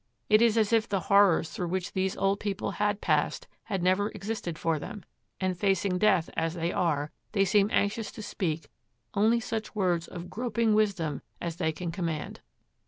It is as if the horrors through which these old people had passed had never existed for them; and, facing death as they are, they seem anxious to speak only such words of groping wisdom as they can command.